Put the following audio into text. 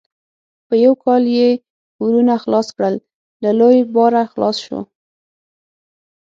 په یو کال یې پورونه خلاص کړل؛ له لوی باره خلاص شو.